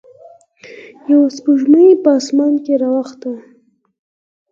یوه سپوږمۍ په اسمان کې راوخته.